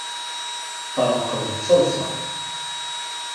Teṭṭerḍqeḍ d taḍsa.